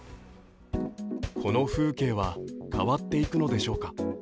この風景は変わっていくのでしょうか。